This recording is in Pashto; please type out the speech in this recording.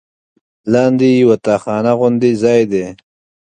لاندې یوه تاخانه غوندې ځای دی.